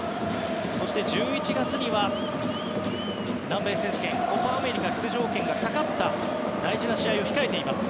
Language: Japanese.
そして、１１月には南米選手権コパ・アメリカ出場権がかかった大事な試合を控えています。